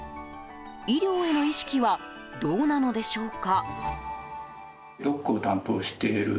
医療への意識はどうなのでしょうか。